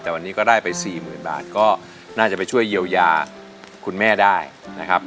แต่วันนี้ก็ได้ไป๔๐๐๐บาทก็น่าจะไปช่วยเยียวยาคุณแม่ได้นะครับ